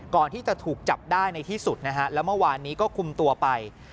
ก่อนที่จะถูกจับได้ในที่สุดนะฮะแล้วเมื่อวานนี้ก็คุมตัวไป